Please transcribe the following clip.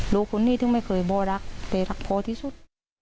รู้คนนี้ที่ไม่เคยบ่รักแต่รักพอที่สุด